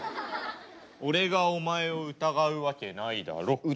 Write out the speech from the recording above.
俺がお前を疑うわけないだろ。